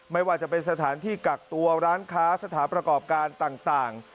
ไม่ว่าจะเป็นสถานที่กักตัวร้านค้าสถานประกอบการต่าง